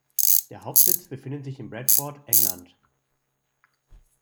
Der Hauptsitz befindet sich in Bradford, England.